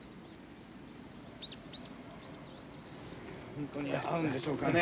本当に合うんでしょうかね。